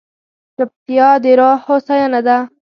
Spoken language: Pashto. چپتیا، د روح هوساینه ده.